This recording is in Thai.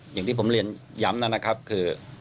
อย่างที่ผมเรียนย้ำนะครับคือ